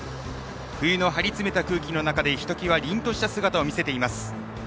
冬の張り詰めた空気の中ひときわ凛とした姿を見せています。